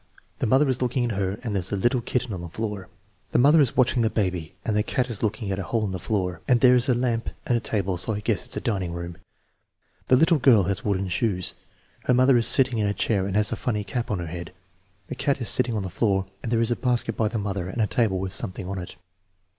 The mother is looking at her and there is a little kitten on the floor." "The mother is watching the baby, and the cat is looking at a hole in the floor, and there is a lamp and a table so I guess it's a dining room." "The little girl has wooden shoes. Her mother is sitting in a chair and has a funny cap on her head. The cat is sitting on the floor and there is a basket by the mother and a table with some thing on it."